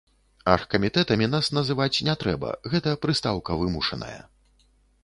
Аргкамітэтамі нас называць не трэба, гэта прыстаўка вымушаная.